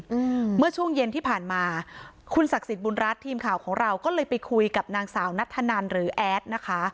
อืมเมื่อช่วงเย็นที่ผ่านมาคุณศักดิ์สิทธิ์บุญรัฐทีมข่าวของเราก็เลยไปคุยกับนางสาวนัทธนันหรือแอดนะคะ